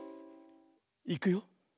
いくよ。